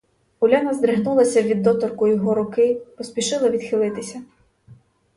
Уляна здригнулася від доторку його руки й поспішила відхилитися.